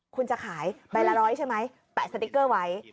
คุณจะขายใบละร้อยใช่ไหมแปะสติ๊กเกอร์ไว้